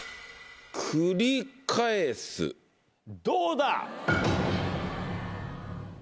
どうだ？